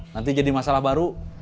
nanti jadi masalah baru